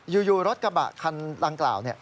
อยู่รถกระบะคันดังกล่าว